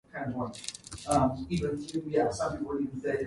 But it is a signal service to her country.